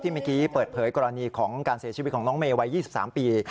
เมื่อกี้เปิดเผยกรณีของการเสียชีวิตของน้องเมย์วัย๒๓ปี